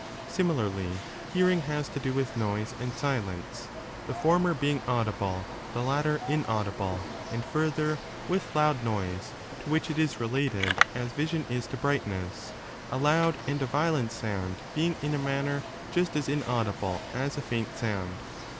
Similarly hearing has to do with noise and silence, the former being audible, the latter inaudible, and, further, with loud noise, to which it is related as vision is to brightness, a loud and a violent sound being in a manner just as inaudible as a faint sound.